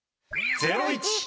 『ゼロイチ』。